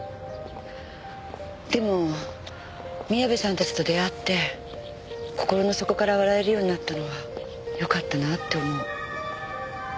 でも宮部さんたちと出会って心の底から笑えるようになったのはよかったなって思う。